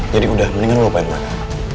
jadi udah mendingan lu lupain mereka